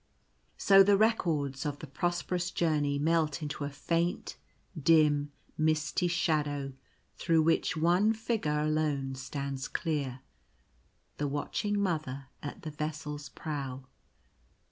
So the records of the prosperous journey melt into a faint, dim, misty shadow through which one figure alone stands clear — the watching Mother at the vessel's prow.